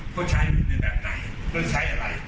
เค้าใช้แบบไหนใช้อะไร